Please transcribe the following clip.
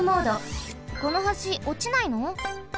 この橋おちないの？